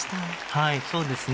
はいそうですね。